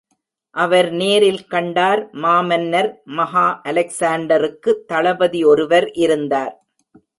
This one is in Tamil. அவர் நேரில் கண்டார் மாமன்னர் மகா அலெக்ஸாண்டருக்கு தளபதி ஒருவர் இருந்தார்.